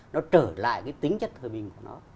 nó trở lại tính chất thời bình của nó